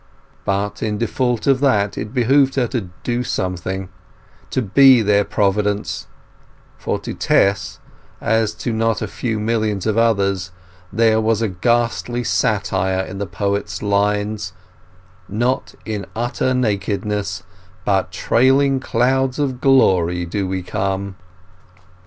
But, in default of that, it behoved her to do something; to be their Providence; for to Tess, as to not a few millions of others, there was ghastly satire in the poet's lines— Not in utter nakedness But trailing clouds of glory do we come.